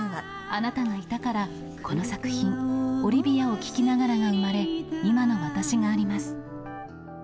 あなたがいたから、この作品、オリビアを聴きながらが生まれ、今の私があります。